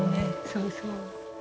そうそう。